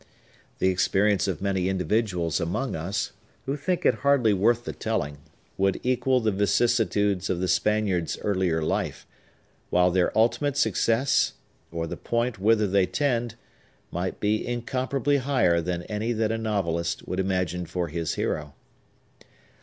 The experience of many individuals among us, who think it hardly worth the telling, would equal the vicissitudes of the Spaniard's earlier life; while their ultimate success, or the point whither they tend, may be incomparably higher than any that a novelist would imagine for his hero.